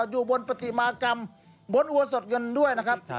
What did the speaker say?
อยู่บนปฏิมากรรมบนอุบัติสดยนต์ด้วยนะครับ